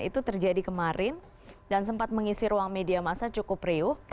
itu terjadi kemarin dan sempat mengisi ruang media masa cukup riuh